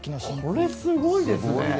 これ、すごいですね。